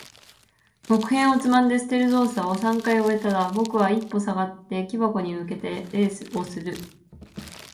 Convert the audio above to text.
木片をつまんで捨てる動作を三回終えたら、僕は一歩下がって、木箱に向けて礼をする。